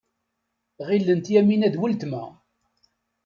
Ɣilent Yamina d weltma.